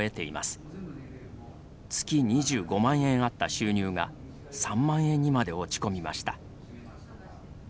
月２５万円あった収入が３万円にまでに落ち込みました。